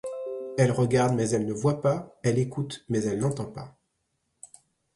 Elle regarde, mais elle ne voit pas ; elle écoute, mais elle n’entend pas.